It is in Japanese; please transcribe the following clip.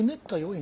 今。